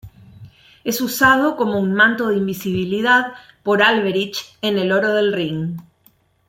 Es usado como un manto de invisibilidad por Alberich en "El oro del Rin".